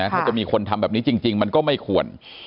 ถ้าจะมีคนทำแบบนี้จริงมันก็ไม่ควร